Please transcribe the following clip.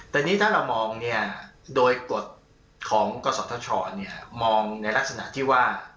แต่นี่ถ้าเรามองเนี่ยโดยกฎของกศธชมองในลักษณะที่ว่า